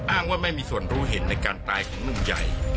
อ้างว่าไม่มีส่วนรู้เห็นในการตายของหนุ่มใหญ่